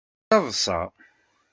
Yettaḍṣa.